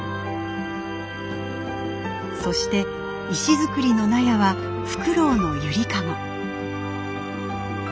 そして石造りの納屋はフクロウの揺りかご。